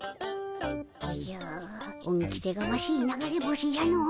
おじゃ恩着せがましい流れ星じゃの。